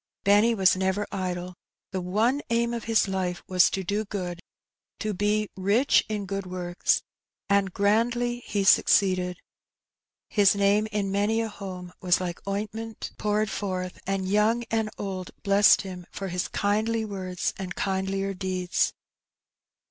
Benny was never idle. • The one aim of his life was to do good, to be "rich in good works;'' and grandly he suc ceeded. His name in many a home was like "ointment 288 Her Benny. poared forth/' and young and old blessed him for his kindly words and kindlier deeds.